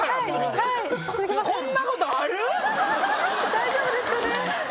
大丈夫ですかね。